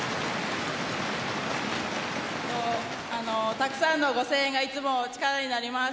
たくさんのご声援がいつも力になります。